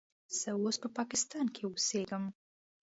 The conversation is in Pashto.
زه اوس په پاکستان کې اوسیږم.